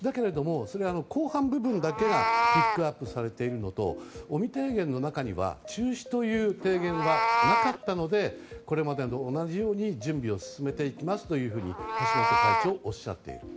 後半部分だけをみると尾身提言の中には中止というものがなかったのでこれまでと同じように準備を進めていきますというように橋本会長、おっしゃっている。